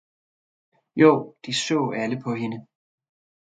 « jo, de saae Alle paa hende.